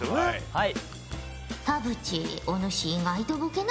はい。